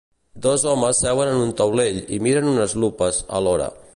Dos homes seuen en un taulell i miren unes lupes alhora.